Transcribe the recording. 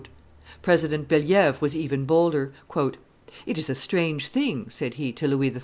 President Bellievre was even bolder. "It is a strange thing," said he to Louis XIII.